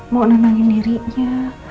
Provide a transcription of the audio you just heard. mau nenangin dirinya